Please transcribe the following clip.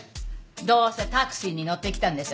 どうせタクシーに乗ってきたんでしょ？